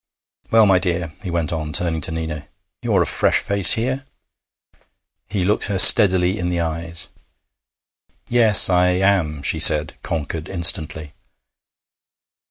Well, my dear,' he went on, turning to Nina, 'you're a fresh face here.' He looked her steadily in the eyes. 'Yes, I am,' she said, conquered instantly.